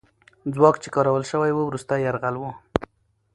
ځواک چې کارول سوی وو، وروستی یرغل وو.